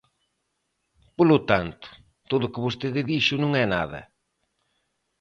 Polo tanto, todo o que vostede dixo non é nada.